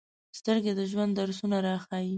سترګې د ژوند درسونه راښيي